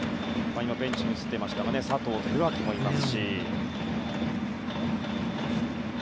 今、ベンチも映っていましたが佐藤輝明もいます。